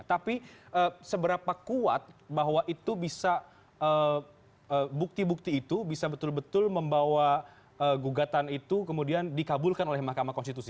tapi seberapa kuat bahwa itu bisa bukti bukti itu bisa betul betul membawa gugatan itu kemudian dikabulkan oleh mahkamah konstitusi